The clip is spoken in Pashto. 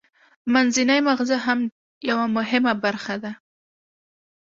منځنی مغزه هم یوه مهمه برخه ده